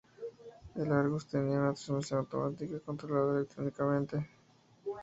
El Argos tenía una transmisión automática controlada electrónicamente.